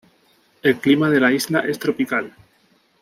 El clima de la isla es tropical.